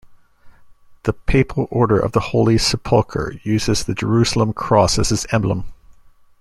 The papal Order of the Holy Sepulchre uses the Jerusalem cross as its emblem.